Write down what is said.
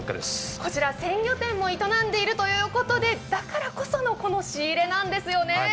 こちら鮮魚店も営んでいるということで、だからこそのこの仕入れなんですよね！